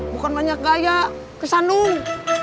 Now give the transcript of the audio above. bukan banyak gaya kesan dong